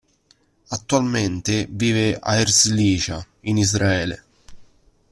Attualmente vive a Herzliya, in Israele.